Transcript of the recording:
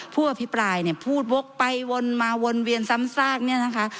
ผู้อภิปรายเนี่ยพูดวกไปวนมาวนเวียนซ้ำซากเนี่ยนะคะ